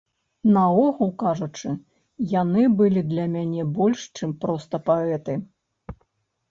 Наогул кажучы, яны былі для мяне больш, чым проста паэты.